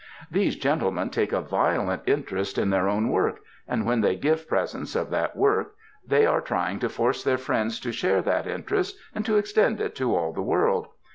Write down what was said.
These gentlemen take a violent interest in their own work, and when they give presents of that work they are trying to force their friends to share that interest and to extend it to all the world.